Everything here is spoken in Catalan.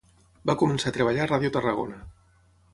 Va començar a treballar a Ràdio Tarragona.